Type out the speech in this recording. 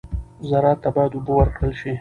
زراعت ته باید اوبه ورکړل شي.